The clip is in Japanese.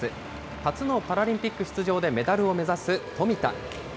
初のパラリンピック出場でメダルを目指す富田。